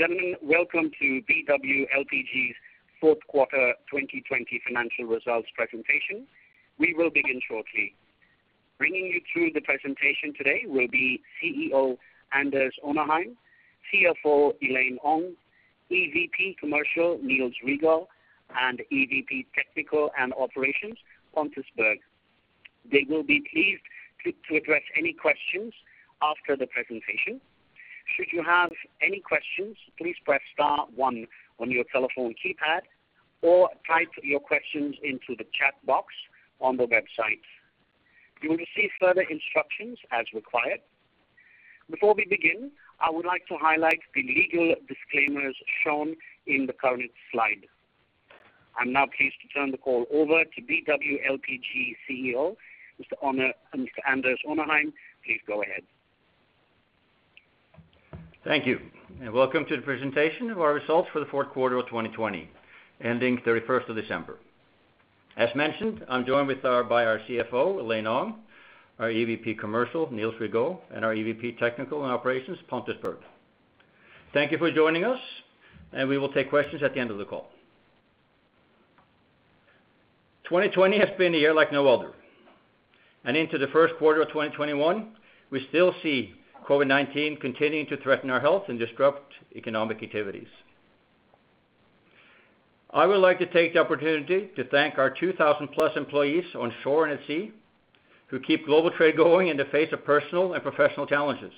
Gentlemen, welcome to BW LPG's Fourth Quarter 2020 financial results presentation. We will begin shortly. Bringing you through the presentation today will be CEO Anders Onarheim, CFO Elaine Ong, EVP Commercial Niels Rigault, and EVP Technical and Operations Pontus Berg. They will be pleased to address any questions after the presentation. Should you have any questions, please press star one on your telephone keypad or type your questions into the chat box on the website. You will receive further instructions as required. Before we begin, I would like to highlight the legal disclaimers shown in the current slide. I'm now pleased to turn the call over to BW LPG CEO, Mr. Anders Onarheim. Please go ahead. Thank you, welcome to the presentation of our results for the fourth quarter of 2020, ending December 31st. As mentioned, I'm joined by our CFO, Elaine Ong, our EVP Commercial, Niels Rigault, and our EVP Technical and Operations, Pontus Berg. Thank you for joining us, and we will take questions at the end of the call. 2020 has been a year like no other. Into the first quarter of 2021, we still see COVID-19 continuing to threaten our health and disrupt economic activities. I would like to take the opportunity to thank our 2,000 plus employees on shore and at sea, who keep global trade going in the face of personal and professional challenges.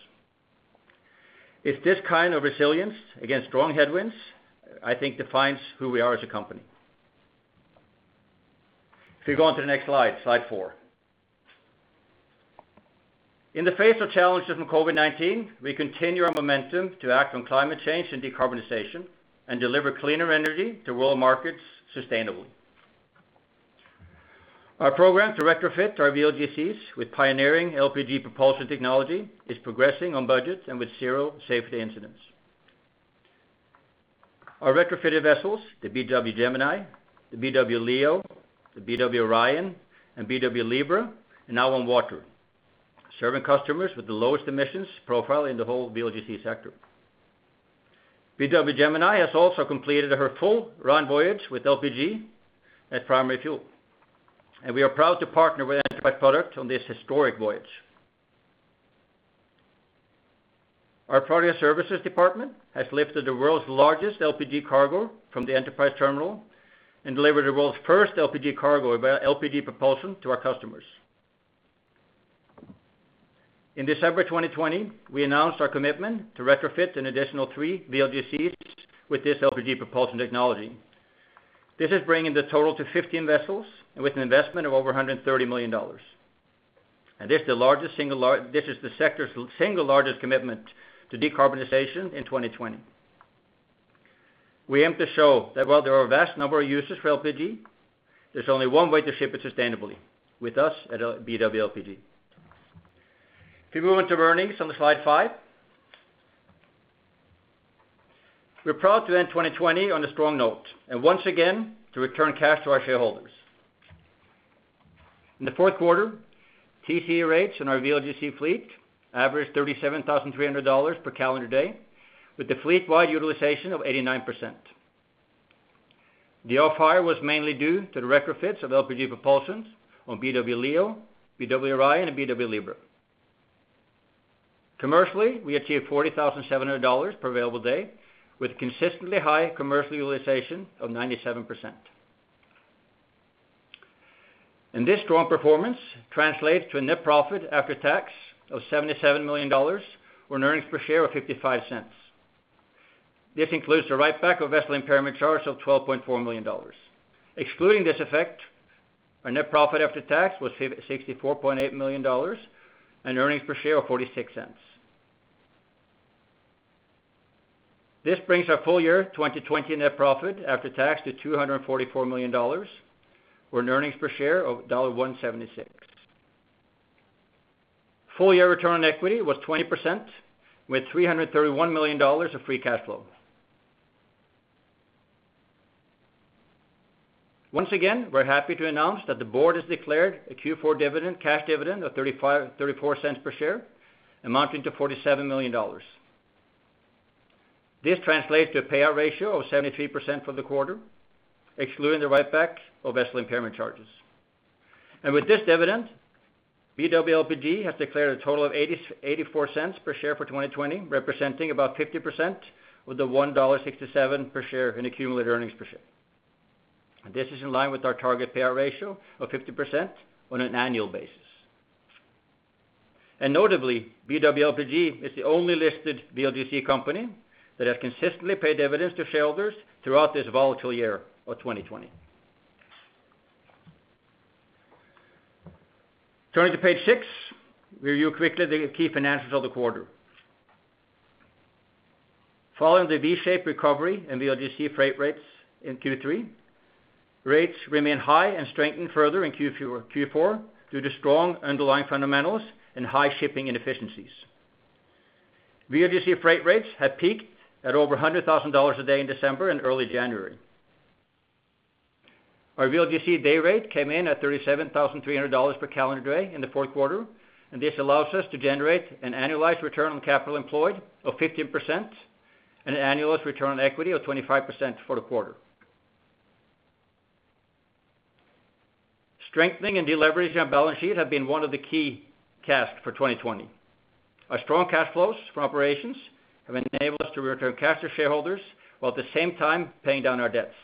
It's this kind of resilience against strong headwinds, I think defines who we are as a company. If we go on to the next slide four. In the face of challenges from COVID-19, we continue our momentum to act on climate change and decarbonization and deliver cleaner energy to world markets sustainably. Our program to retrofit our VLGCs with pioneering LPG propulsion technology is progressing on budget and with zero safety incidents. Our retrofitted vessels, the BW Gemini, the BW Leo, the BW Orion, and BW Libra, are now on water, serving customers with the lowest emissions profile in the whole VLGC sector. BW Gemini has also completed her full round voyage with LPG as primary fuel, and we are proud to partner with Enterprise Products on this historic voyage. Our Product Services department has lifted the world's largest LPG cargo from the Enterprise terminal and delivered the world's first LPG cargo via LPG propulsion to our customers. In December 2020, we announced our commitment to retrofit an additional three VLGCs with this LPG propulsion technology. This is bringing the total to 15 vessels with an investment of over $130 million. This is the sector's single largest commitment to decarbonization in 2020. We aim to show that while there are a vast number of users for LPG, there's only one way to ship it sustainably, with us at BW LPG. If we move on to earnings on slide five. We're proud to end 2020 on a strong note, and once again, to return cash to our shareholders. In the fourth quarter, TC rates on our VLGC fleet averaged $37,300 per calendar day, with the fleet-wide utilization of 89%. The off-hire was mainly due to the retrofits of LPG propulsions on BW Leo, BW Orion, and BW Libra. Commercially, we achieved $40,700 per available day with consistently high commercial utilization of 97%. This strong performance translates to a net profit after tax of $77 million, or an earnings per share of $0.55. This includes the write-back of vessel impairment charge of $12.4 million. Excluding this effect, our net profit after tax was $64.8 million, and earnings per share of $0.46. This brings our full year 2020 net profit after tax to $244 million, or an earnings per share of $1.76. Full year return on equity was 20% with $331 million of free cash flow. Once again, we're happy to announce that the board has declared a Q4 cash dividend of $0.34 per share, amounting to $47 million. This translates to a payout ratio of 73% for the quarter, excluding the write-back of vessel impairment charges. With this dividend, BW LPG has declared a total of $0.84 per share for 2020, representing about 50% of the $1.67 per share in accumulated earnings per share. This is in line with our target payout ratio of 50% on an annual basis. Notably, BW LPG is the only listed VLGC company that has consistently paid dividends to shareholders throughout this volatile year of 2020. Turning to page six, review quickly the key financials of the quarter. Following the V-shaped recovery in VLGC freight rates in Q3, rates remained high and strengthened further in Q4 due to strong underlying fundamentals and high shipping inefficiencies. VLGC freight rates have peaked at over $100,000 a day in December and early January. Our VLGC day rate came in at $37,300 per calendar day in the fourth quarter, and this allows us to generate an annualized return on capital employed of 15% and an annualized return on equity of 25% for the quarter. Strengthening and de-leveraging our balance sheet have been one of the key tasks for 2020. Our strong cash flows from operations have enabled us to return cash to shareholders, while at the same time paying down our debts.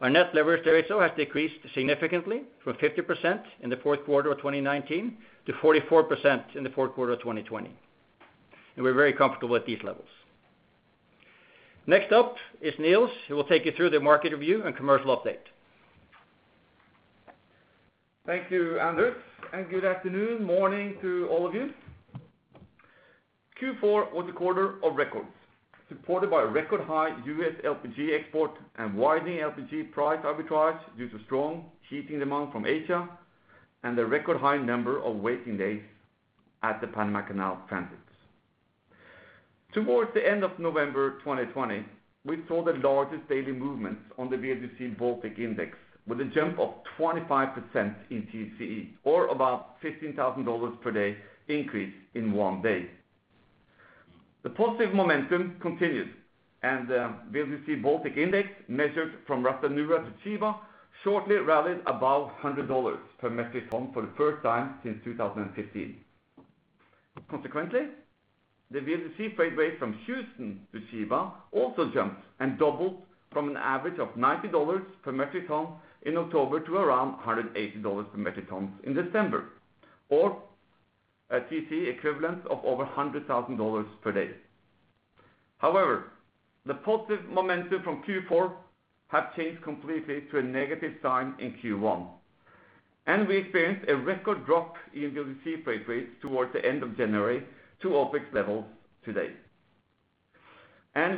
Our net leverage ratio has decreased significantly from 50% in the fourth quarter of 2019 to 44% in the fourth quarter of 2020, and we are very comfortable at these levels. Next up is Niels, who will take you through the market review and commercial update. Thank you, Anders, good afternoon, morning to all of you. Q4 was a quarter of records, supported by record high U.S. LPG export and widening LPG price arbitrage due to strong heating demand from Asia and the record high number of waiting days at the Panama Canal transits. Towards the end of November 2020, we saw the largest daily movements on the VLGC Baltic Index with a jump of 25% in TCE, or about $15,000 per day increase in one day. The positive momentum continued, VLGC Baltic Index measured from Ras Tanura to Chiba shortly rallied above $100 per metric ton for the first time since 2015. Consequently, the VLGC freight rate from Houston to Chiba also jumped and doubled from an average of $90 per metric ton in October to around $180 per metric ton in December, or a TCE equivalent of over $100,000 per day. The positive momentum from Q4 have changed completely to a negative sign in Q1. We experienced a record drop in VLGC freight rates towards the end of January to OpEx levels today.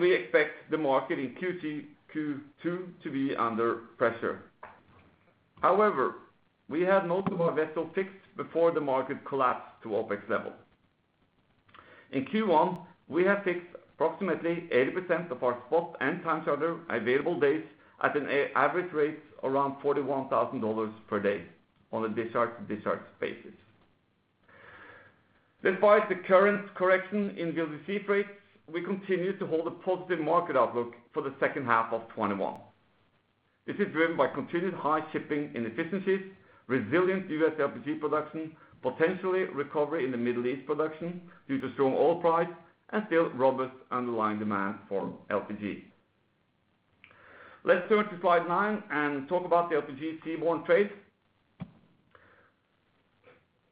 We expect the market in Q2 to be under pressure. However, we had most of our vessels fixed before the market collapsed to OpEx level. In Q1, we have fixed approximately 80% of our spot and time charter available days at an average rate around $41,000 per day on a discharge-to-discharge basis. Despite the current correction in VLGC rates, we continue to hold a positive market outlook for the second half of 2021. This is driven by continued high shipping inefficiencies, resilient U.S. LPG production, potentially recovery in the Middle East production due to strong oil price, and still robust underlying demand for LPG. Let's turn to slide nine and talk about the LPG seaborne trade.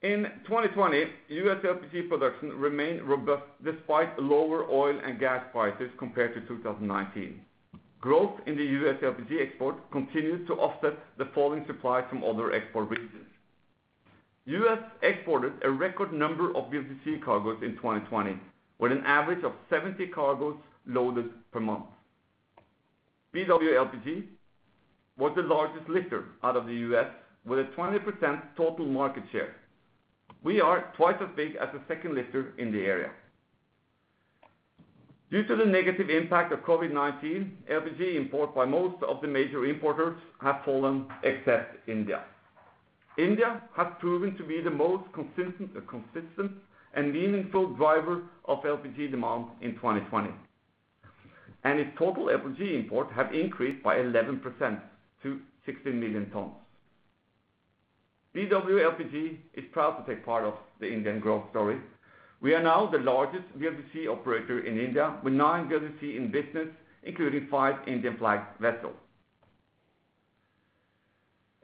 In 2020, U.S. LPG production remained robust despite lower oil and gas prices compared to 2019. Growth in the U.S. LPG export continued to offset the falling supply from other export regions. U.S. exported a record number of VLGC cargoes in 2020, with an average of 70 cargoes loaded per month. BW LPG was the largest lifter out of the U.S., with a 20% total market share. We are twice as big as the second lifter in the area. Due to the negative impact of COVID-19, LPG import by most of the major importers have fallen, except India. India has proven to be the most consistent and meaningful driver of LPG demand in 2020. Its total LPG imports have increased by 11% to 16 million tons. BW LPG is proud to take part of the Indian growth story. We are now the largest VLGC operator in India with nine VLGC in business, including five Indian-flagged vessels.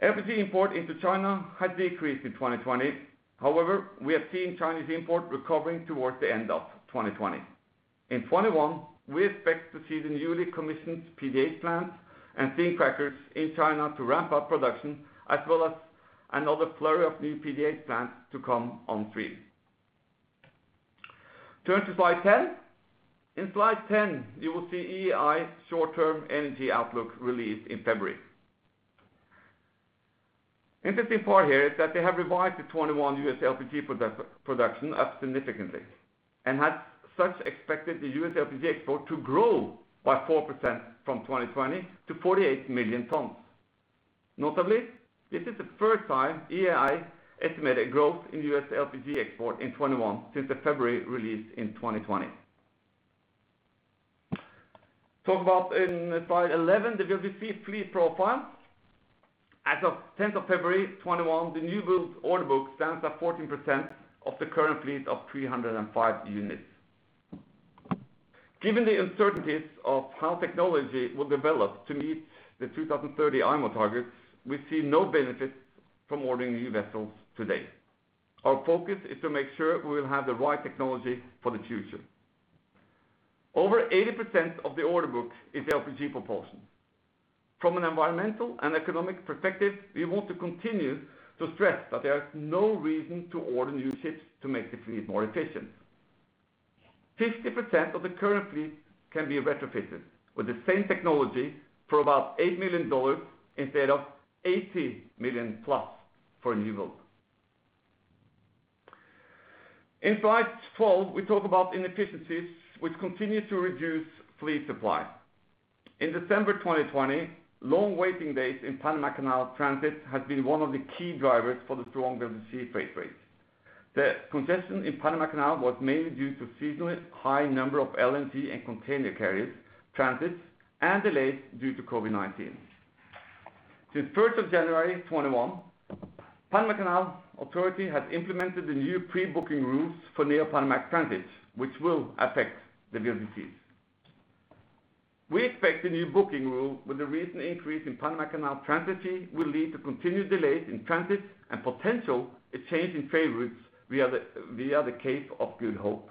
LPG import into China has decreased in 2020. However, we have seen Chinese import recovering towards the end of 2020. In 2021, we expect to see the newly commissioned PDH plants and steam crackers in China to ramp up production, as well as another flurry of new PDH plants to come on stream. Turn to slide 10. In slide 10, you will see EIA Short-Term Energy Outlook released in February. Interesting part here is that they have revised the 2021 U.S. LPG production up significantly and as such, expected the U.S. LPG export to grow by 4% from 2020 to 48 million tons. Notably, this is the first time EIA estimated growth in U.S. LPG export in 2021 since the February release in 2020. Talk about in slide 11, the VLGC fleet profile, as of 10th of February 2021, the newbuild order book stands at 14% of the current fleet of 305 units. Given the uncertainties of how technology will develop to meet the 2030 IMO targets, we see no benefit from ordering new vessels today. Our focus is to make sure we will have the right technology for the future. Over 80% of the order book is LPG propulsion. From an environmental and economic perspective, we want to continue to stress that there is no reason to order new ships to make the fleet more efficient. 50% of the current fleet can be retrofitted with the same technology for about $8 million instead of $80 million plus for a newbuild. In slide 12, we talk about inefficiencies which continue to reduce fleet supply. In December 2020, long waiting days in Panama Canal transit has been one of the key drivers for the strong VLGC freight rates. The congestion in Panama Canal was mainly due to seasonally high number of LNG and container carriers transits and delays due to COVID-19. Since January 1, 2021, Panama Canal Authority has implemented the new pre-booking rules for Neo-Panamax transit, which will affect the VLGCs. We expect the new booking rule with the recent increase in Panama Canal transit fee will lead to continued delays in transit and potential a change in trade routes via the Cape of Good Hope.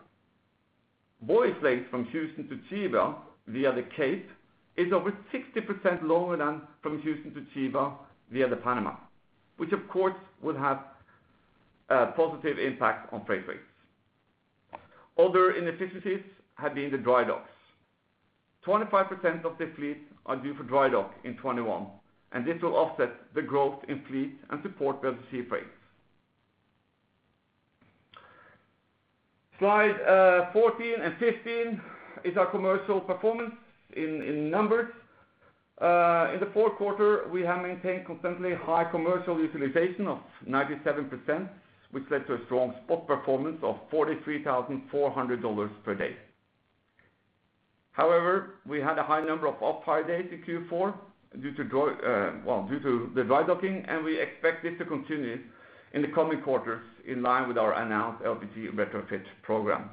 Voyage length from Houston to China via the Cape is over 60% longer than from Houston to China via the Panama, which of course will have a positive impact on freight rates. Other inefficiencies have been the dry docks. 25% of the fleet are due for dry dock in 2021, and this will offset the growth in fleet and support VLGC freight. Slide 14 and 15 is our commercial performance in numbers. In the fourth quarter, we have maintained exceptionally high commercial utilization of 97%, which led to a strong spot performance of $43,400 per day. However, we had a high number of off-hire days in Q4 due to the dry docking, and we expect this to continue in the coming quarters in line with our announced LPG retrofit program.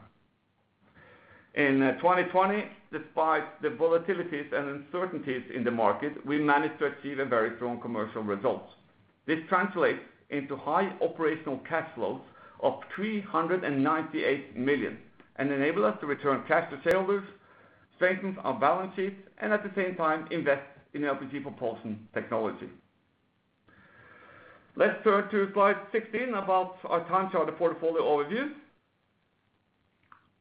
In 2020, despite the volatilities and uncertainties in the market, we managed to achieve very strong commercial results. This translates into high operational cash flows of $398 million and enable us to return cash to shareholders, strengthens our balance sheet, and at the same time invest in LPG propulsion technology. Let's turn to slide 16 about our time charter portfolio overview.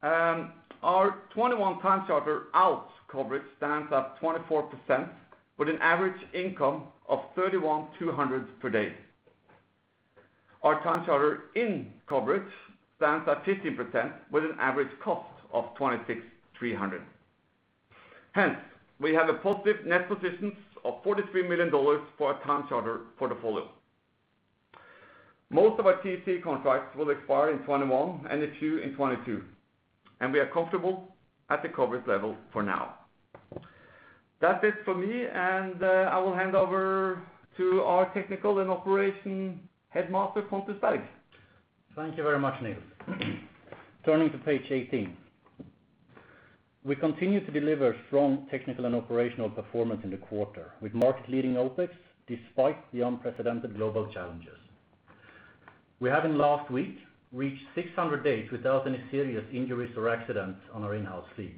Our 2021 time charter out coverage stands at 24%, with an average income of $31,200 per day. Our time charter in coverage stands at 15% with an average cost of $26,300. Hence, we have a positive net positions of $43 million for our time charter portfolio. Most of our TC contracts will expire in 2021, and a few in 2022, and we are comfortable at the coverage level for now. That's it for me, and I will hand over to our technical and operation headmaster, Pontus Berg. Thank you very much, Niels. Turning to page 18. We continue to deliver strong technical and operational performance in the quarter with market-leading OpEx despite the unprecedented global challenges. We have in last week reached 600 days without any serious injuries or accidents on our in-house fleet.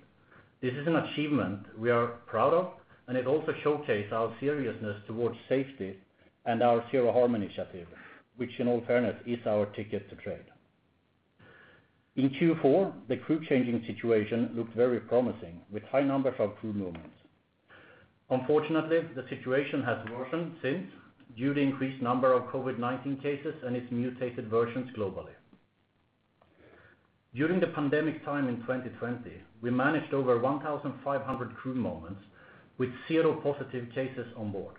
This is an achievement we are proud of, and it also showcase our seriousness towards safety and our zero harm initiative, which in all fairness is our ticket to trade. In Q4, the crew changing situation looked very promising with high numbers of crew movements. Unfortunately, the situation has worsened since due to increased number of COVID-19 cases and its mutated versions globally. During the pandemic time in 2020, we managed over 1,500 crew movements with zero positive cases on board,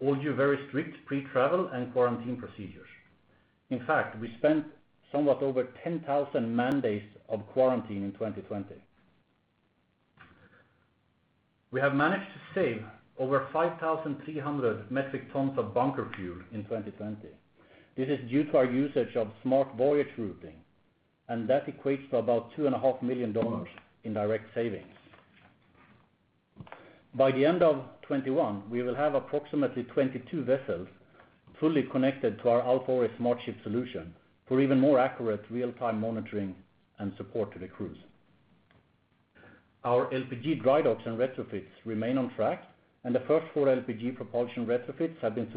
all due very strict pre-travel and quarantine procedures. In fact, we spent somewhat over 10,000 man days of quarantine in 2020. We have managed to save over 5,300 metric tons of bunker fuel in 2020. This is due to our usage of smart voyage routing, and that equates to about $2.5 million in direct savings. By the end of 2021, we will have approximately 22 vessels fully connected to our Alfa Laval SmartShip solution for even more accurate real-time monitoring and support to the crews. Our LPG dry docks and retrofits remain on track and the first four LPG propulsion retrofits have been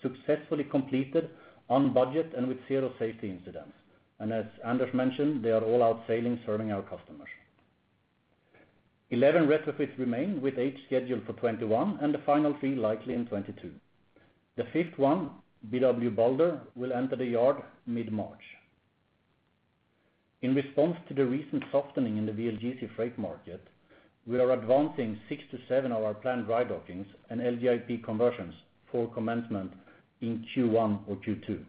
successfully completed on budget and with zero safety incidents. As Anders mentioned, they are all out sailing serving our customers. 11 retrofits remain with eight scheduled for 2021 and the final three likely in 2022. The fifth one, BW Balder, will enter the yard mid-March. In response to the recent softening in the VLGC freight market, we are advancing six to seven of our planned dry dockings and LGIP conversions for commencement in Q1 or Q2.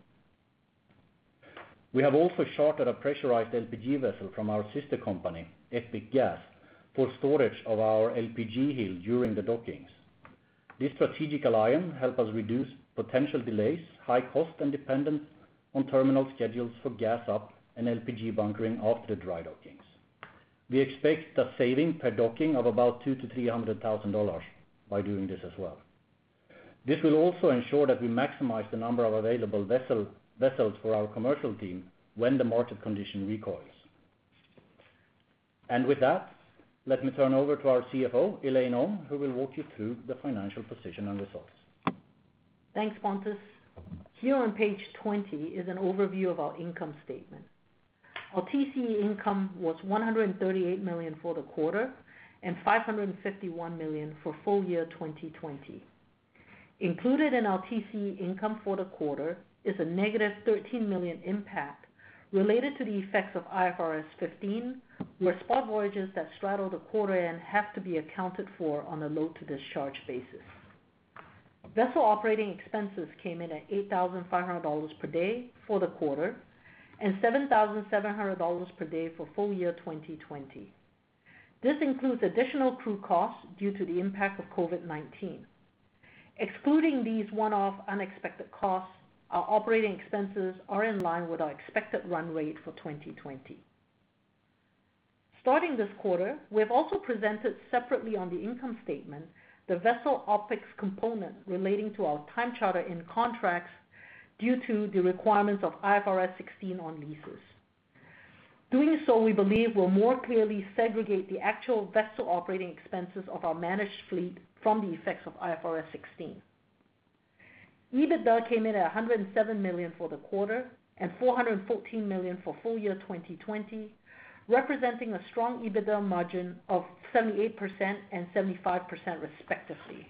We have also chartered a pressurized LPG vessel from our sister company, Epic Gas, for storage of our LPG heel during the dockings. This strategic alliance help us reduce potential delays, high cost, and dependence on terminal schedules for gas up and LPG bunkering after the dry dockings. We expect a saving per docking of about $200,000-$300,000 by doing this as well. This will also ensure that we maximize the number of available vessels for our commercial team when the market condition recoils. With that, let me turn over to our CFO, Elaine Ong, who will walk you through the financial position and results. Thanks, Pontus. Here on page 20 is an overview of our income statement. Our TCE income was $138 million for the quarter and $551 million for full year 2020. Included in our TCE income for the quarter is a negative $13 million impact related to the effects of IFRS 15 where spot voyages that straddle the quarter and have to be accounted for on a load-to-discharge basis. Vessel operating expenses came in at $8,500 per day for the quarter, and $7,700 per day for full year 2020. This includes additional crew costs due to the impact of COVID-19. Excluding these one-off unexpected costs, our operating expenses are in line with our expected run rate for 2020. Starting this quarter, we have also presented separately on the income statement the vessel OpEx component relating to our time charter-in contracts due to the requirements of IFRS 16 on leases. Doing so, we believe, will more clearly segregate the actual vessel operating expenses of our managed fleet from the effects of IFRS 16. EBITDA came in at $107 million for the quarter and $414 million for full year 2020, representing a strong EBITDA margin of 78% and 75%, respectively.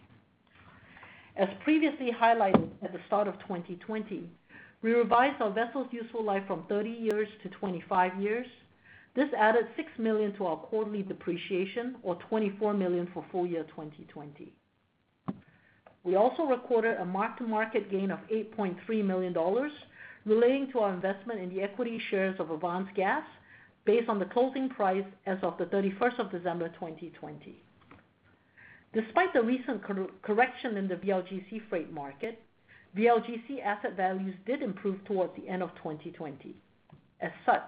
As previously highlighted at the start of 2020, we revised our vessel's useful life from 30 years to 25 years. This added $6 million to our quarterly depreciation, or $24 million for full year 2020. We also recorded a mark-to-market gain of $8.3 million relating to our investment in the equity shares of Avance Gas based on the closing price as of the December 31st, 2020. Despite the recent correction in the VLGC freight market, VLGC asset values did improve towards the end of 2020. As such,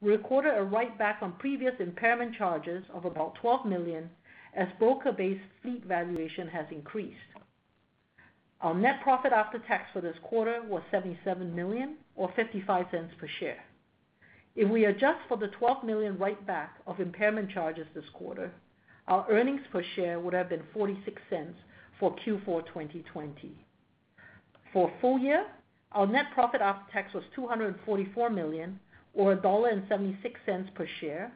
we recorded a write-back on previous impairment charges of about $12 million, as broker-based fleet valuation has increased. Our net profit after tax for this quarter was $77 million, or $0.55 per share. If we adjust for the $12 million write-back of impairment charges this quarter, our earnings per share would have been $0.46 for Q4 2020. For full year, our net profit after tax was $244 million, or $1.76 per share,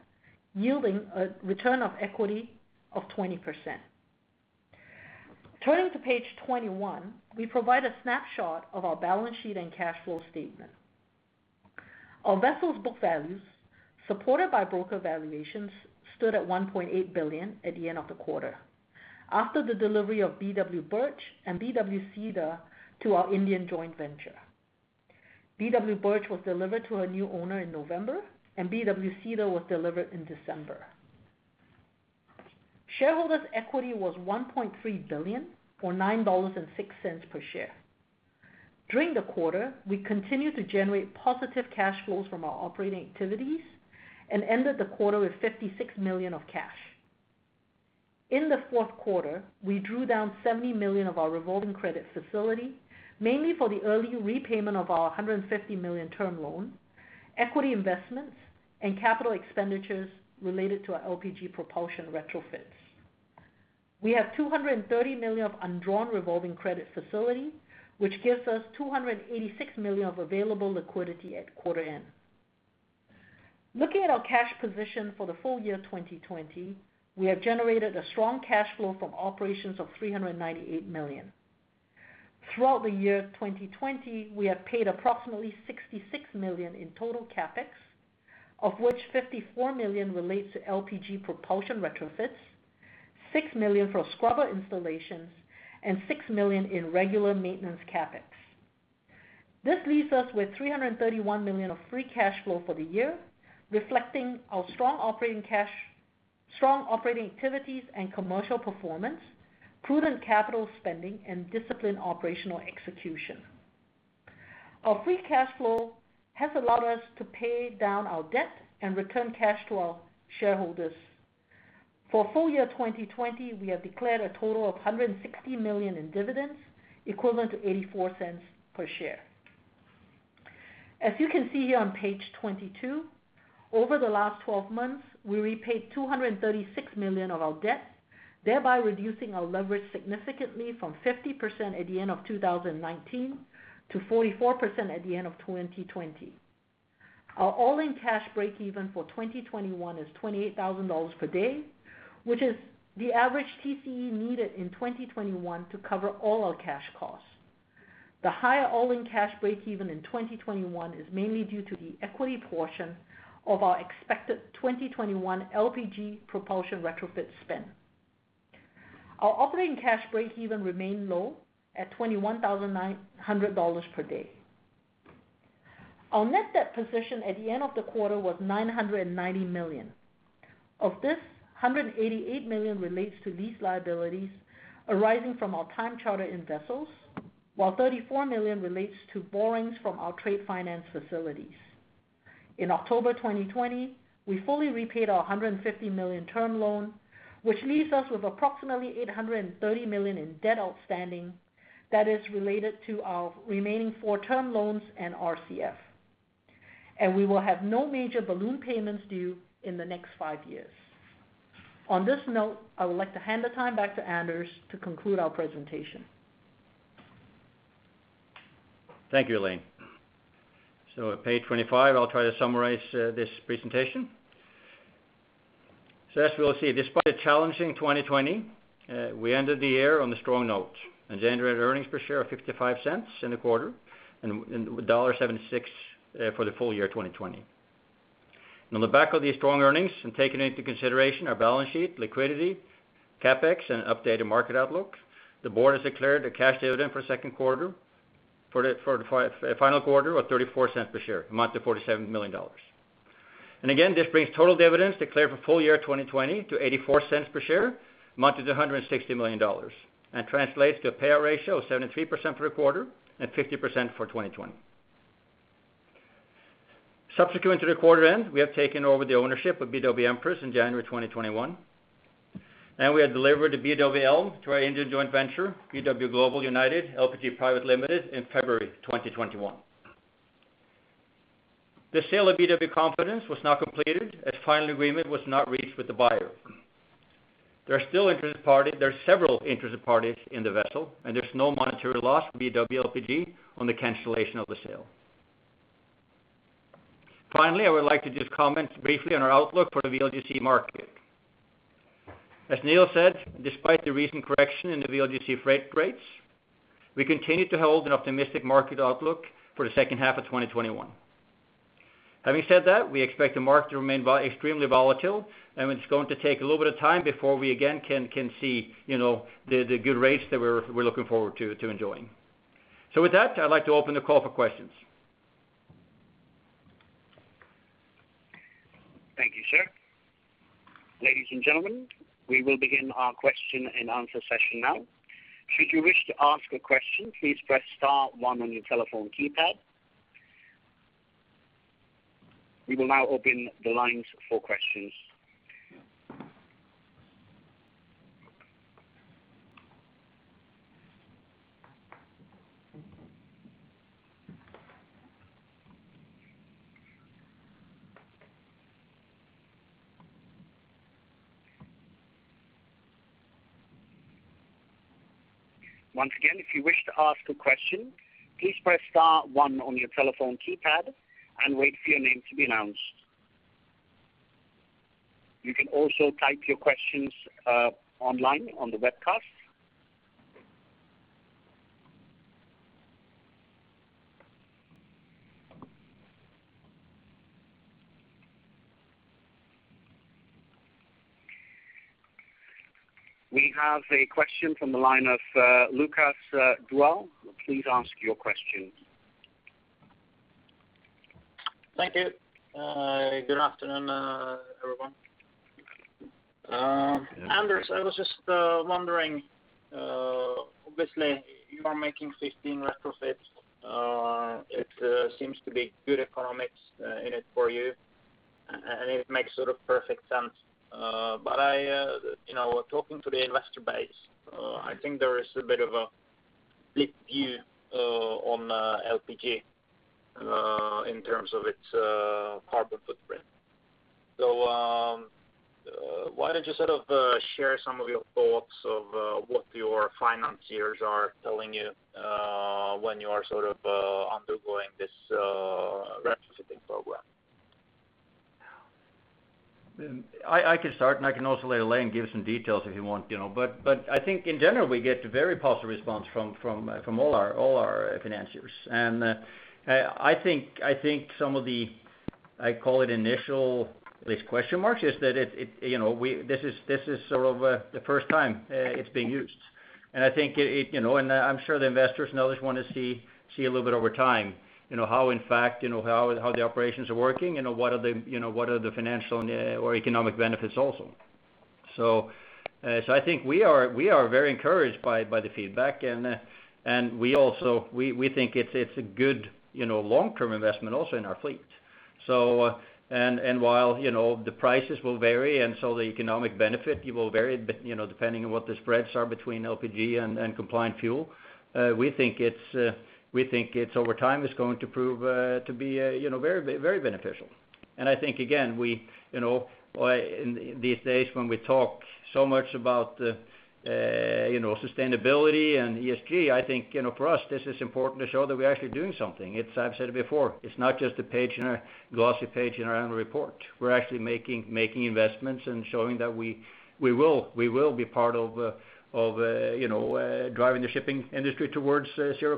yielding a return on equity of 20%. Turning to page 21, we provide a snapshot of our balance sheet and cash flow statement. Our vessels' book values, supported by broker valuations, stood at $1.8 billion at the end of the quarter after the delivery of BW Birch and BW Cedar to our Indian joint venture. BW Birch was delivered to her new owner in November, and BW Cedar was delivered in December. Shareholders' equity was $1.3 billion, or $9.06 per share. During the quarter, we continued to generate positive cash flows from our operating activities and ended the quarter with $56 million of cash. In the fourth quarter, we drew down $70 million of our revolving credit facility, mainly for the early repayment of our $150 million term loan, equity investments, and capital expenditures related to our LPG propulsion retrofits. We have $230 million of undrawn revolving credit facility, which gives us $286 million of available liquidity at quarter end. Looking at our cash position for the full year 2020, we have generated a strong cash flow from operations of $398 million. Throughout the year 2020, we have paid approximately $66 million in total CapEx, of which $54 million relates to LPG propulsion retrofits, $6 million for scrubber installations, and $6 million in regular maintenance CapEx. This leaves us with $331 million of free cash flow for the year, reflecting our strong operating activities and commercial performance, prudent capital spending, and disciplined operational execution. Our free cash flow has allowed us to pay down our debt and return cash to our shareholders. For full year 2020, we have declared a total of $160 million in dividends, equivalent to $0.84 per share. As you can see here on page 22, over the last 12 months, we repaid $236 million of our debt, thereby reducing our leverage significantly from 50% at the end of 2019 to 44% at the end of 2020. Our all-in cash break-even for 2021 is $28,000 per day, which is the average TCE needed in 2021 to cover all our cash costs. The higher all-in cash break-even in 2021 is mainly due to the equity portion of our expected 2021 LPG propulsion retrofit spend. Our operating cash break-even remained low at $21,900 per day. Our net debt position at the end of the quarter was $990 million. Of this, $188 million relates to lease liabilities arising from our time charter-in vessels, while $34 million relates to borrowings from our trade finance facilities. In October 2020, we fully repaid our $150 million term loan, which leaves us with approximately $830 million in debt outstanding that is related to our remaining four term loans and RCF. We will have no major balloon payments due in the next five years. On this note, I would like to hand the time back to Anders to conclude our presentation. Thank you, Elaine. Page 25, I'll try to summarize this presentation. As we'll see, despite a challenging 2020, we ended the year on a strong note. Adjusted earnings per share of $0.55 in the quarter and $1.76 for the full year 2020. On the back of these strong earnings and taking into consideration our balance sheet liquidity, CapEx, and updated market outlook, the board has declared a cash dividend for the final quarter of $0.34 per share, amount to $47 million. Again, this brings total dividends declared for full year 2020 to $0.84 per share, amounted to $160 million, and translates to a payout ratio of 73% for the quarter and 50% for 2020. Subsequent to the quarter end, we have taken over the ownership of BW Empress in January 2021, and we have delivered the BW Elm to our Indian joint venture, BW Global United LPG India Private Limited, in February 2021. The sale of BW Confidence was not completed as final agreement was not reached with the buyer. There are several interested parties in the vessel, and there's no monetary loss for BW LPG on the cancellation of the sale. Finally, I would like to just comment briefly on our outlook for the VLGC market. As Niels said, despite the recent correction in the VLGC freight rates, we continue to hold an optimistic market outlook for the second half of 2021. Having said that, we expect the market to remain extremely volatile. It's going to take a little bit of time before we again can see the good rates that we're looking forward to enjoying. With that, I'd like to open the call for questions. Thank you, sir. Ladies and gentlemen, we will begin our question and answer session now. Should you wish to ask a question, please press star one on your telephone keypad. We will now open the lines for questions. Once again, if you wish to ask a question, please press star one on your telephone keypad and wait for your name to be announced. You can also type your questions online on the webcast. We have a question from the line of Lukas Daul. Please ask your question. Thank you. Good afternoon, everyone. Anders, I was just wondering, obviously you are making 15 retrofits. It seems to be good economics in it for you, and it makes sort of perfect sense. Talking to the investor base, I think there is a bit of a big view on LPG, in terms of its carbon footprint. Why don't you sort of share some of your thoughts of what your financiers are telling you, when you are sort of undergoing this retrofitting program? I can start, and I can also let Elaine give some details if you want. I think in general, we get very positive response from all our financiers. I think some of the, I call it initial, at least question marks, is that this is sort of the first time it's being used. I'm sure the investors and others want to see a little bit over time how in fact the operations are working and what are the financial or economic benefits also. I think we are very encouraged by the feedback, and we think it's a good long-term investment also in our fleet. While the prices will vary and so the economic benefit will vary depending on what the spreads are between LPG and compliant fuel, we think over time it's going to prove to be very beneficial. I think, again, these days when we talk so much about sustainability and ESG, I think for us, this is important to show that we're actually doing something. I've said it before, it's not just a glossy page in our annual report. We're actually making investments and showing that we will be part of driving the shipping industry towards zero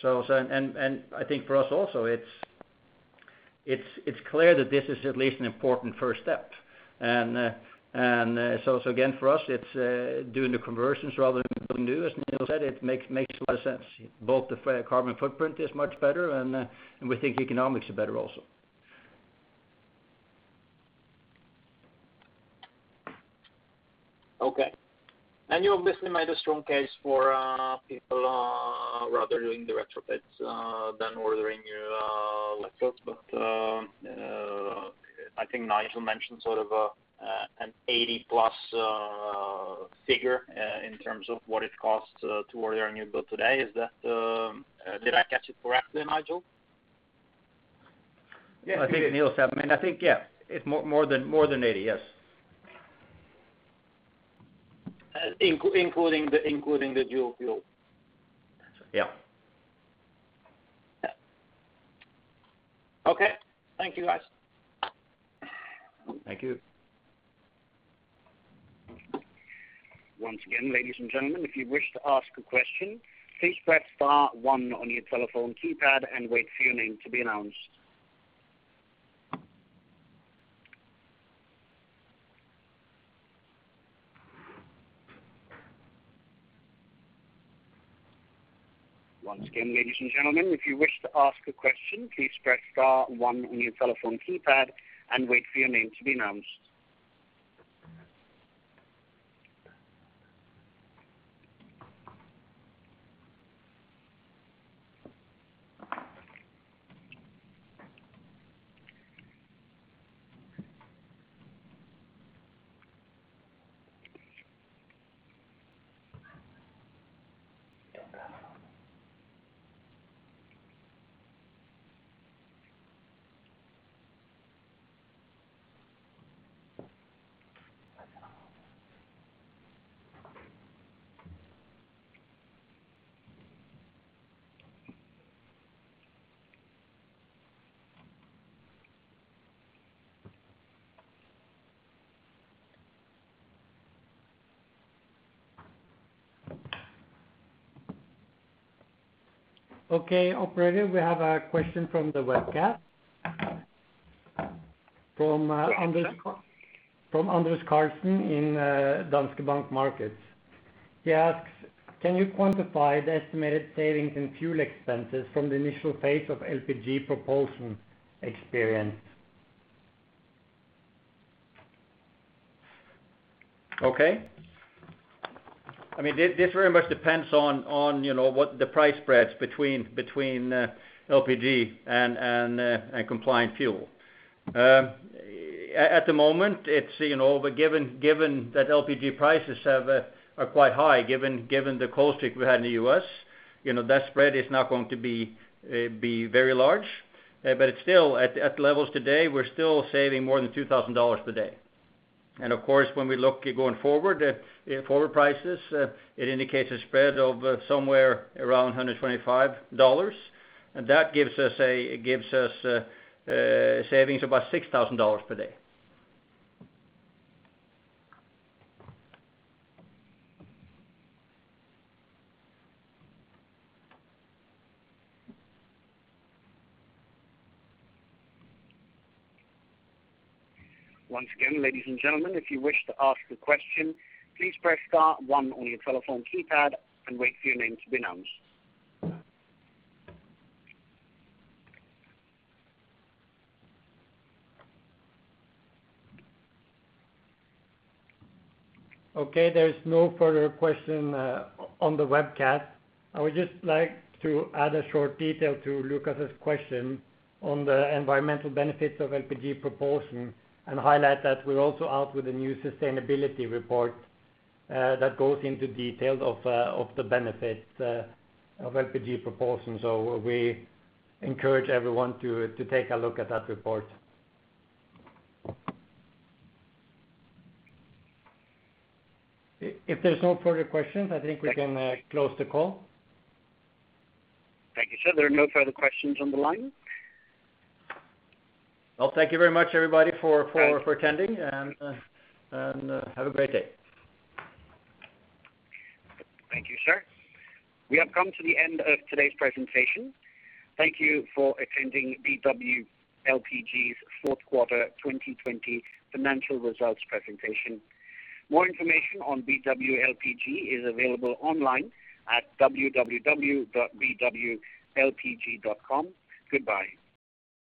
carbon. I think for us also, it's clear that this is at least an important first step. Again, for us, it's doing the conversions rather than building new, as Niels said, it makes a lot of sense. Both the carbon footprint is much better, and we think economics are better also. Okay. You obviously made a strong case for people rather doing the retrofits, than ordering new VLGCs. I think Niels mentioned sort of an 80 plus figure in terms of what it costs to order a new build today. Did I catch it correctly, Niels? Yeah, I think, yeah, it's more than 80. Yes. Including the dual fuel. Yeah. Okay. Thank you, guys. Thank you. Once again, ladies and gentlemen, if you wish to ask a question, please press star one on your telephone keypad and wait for your name to be announced. Once again, ladies and gentlemen, if you wish to ask a question, please press star one on your telephone keypad and wait for your name to be announced. Okay. Operator, we have a question from the webcast. Yes. From Anders Karlsen in Danske Bank Markets. He asks, "Can you quantify the estimated savings in fuel expenses from the initial phase of LPG propulsion experience? This very much depends on what the price spreads between LPG and compliant fuel. At the moment, given that LPG prices are quite high, given the cold streak we had in the U.S., that spread is not going to be very large. Still, at levels today, we're still saving more than $2,000 per day. Of course, when we look at going forward prices, it indicates a spread of somewhere around $125, that gives us savings about $6,000 per day. Once again, ladies and gentlemen, if you wish to ask a question, please press star one on your telephone keypad and wait for your name to be announced. Okay. There is no further question on the webcast. I would just like to add a short detail to Lukas's question on the environmental benefits of LPG propulsion and highlight that we're also out with a new sustainability report that goes into details of the benefits of LPG propulsion. We encourage everyone to take a look at that report. If there's no further questions, I think we can close the call. Thank you, sir. There are no further questions on the line. Well, thank you very much, everybody, for attending, and have a great day. Thank you, sir. We have come to the end of today's presentation. Thank you for attending BW LPG's fourth quarter 2020 financial results presentation. More information on BW LPG is available online at www.bwlpg.com. Goodbye.